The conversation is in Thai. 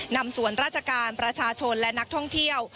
นำส่วนราชการประชาชนและนักท่องเที่ยว